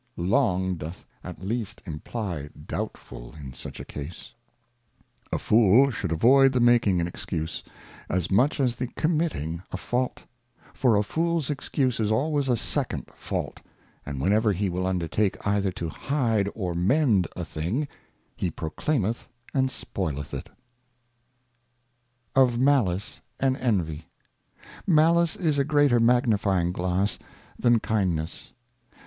Long doth at least imply Doubtful in such a Case. A Moral Thoughts and Reflections. 239 A Fool should avoid the making an Excuse, as much as the committing a Fault ; for a Fool's Excuse is always a second Fault : and whenever he will undertake either to hide or mend a thing, he proclaimeth and spoileth it. M Of Malice and Envy. ALICE is a greater Magnifying Glass than Kind ness.